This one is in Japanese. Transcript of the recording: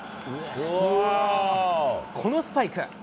このスパイク。